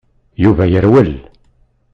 Yuba yerwel.